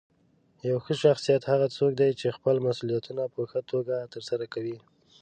یو ښه شخصیت هغه څوک دی چې خپل مسؤلیتونه په ښه توګه ترسره کوي.